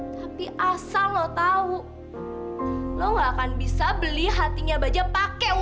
tapi asal lo tahu lo nggak akan bisa beli hatinya baja pakai uang lo